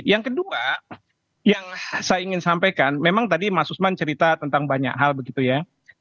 yang kedua yang saya ingin sampaikan memang tadi mas usman cerita tentang banyak hal begitu ya